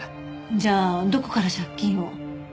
じゃあどこから借金を？